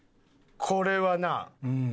これはな。